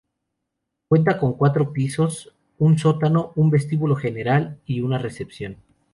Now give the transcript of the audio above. Cuenta con cuatro pisos, un sótano, un vestíbulo general y una recepción.